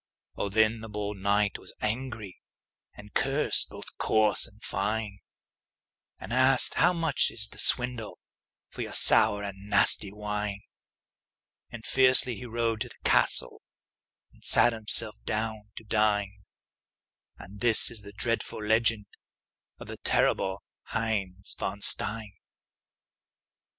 Oh, then the bold knight was angry, And cursed both coarse and fine; And asked, "How much is the swindle For your sour and nasty wine?" And fiercely he rode to the castle And sat himself down to dine; And this is the dreadful legend Of the terrible Heinz von Stein.